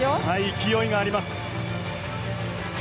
勢いがあります。